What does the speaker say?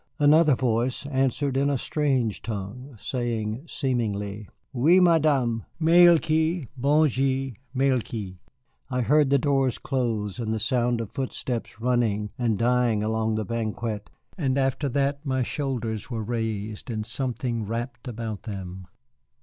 Another voice answered in a strange tongue, saying seemingly: "Oui, Madame malé couri bon djé malé couri!" I heard the doors close, and the sound of footsteps running and dying along the banquette, and after that my shoulders were raised and something wrapped about them.